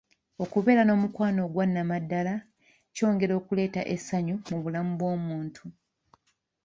Okubeera n’omukwano ogwa nnamaddala kyongera okuleeta essanyu mu bulamu bw’omuntu.